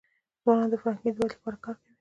ځوانان د فرهنګ د ودي لپاره کار کوي.